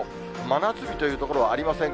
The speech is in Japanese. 真夏日という所はありません